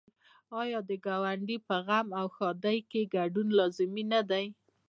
آیا د ګاونډي په غم او ښادۍ کې ګډون لازمي نه دی؟